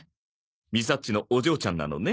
みさっちのお嬢ちゃんなのね。